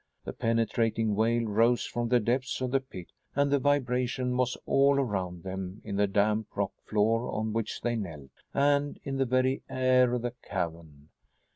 The penetrating wail rose from the depths of the pit, and the vibration was all around them, in the damp rock floor on which they knelt, and in the very air of the cavern.